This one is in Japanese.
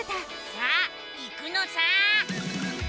さあ行くのさ！